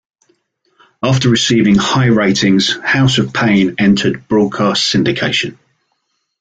After receiving high ratings, "House of Payne" entered broadcast syndication.